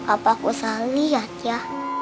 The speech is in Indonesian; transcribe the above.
apa aku salah liat ya